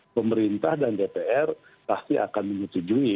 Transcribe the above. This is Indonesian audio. pemerintah dan dpr pasti akan menyetujui